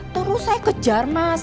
terus saya kejar mas